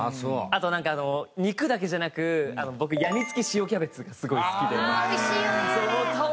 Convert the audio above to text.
あと肉だけじゃなく僕やみつき塩キャベツがすごい好きで。